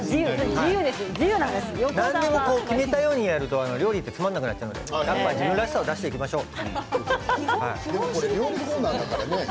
何も決めたようになると料理ってつまらなくなっちゃうので自分らしさを出していきましょう。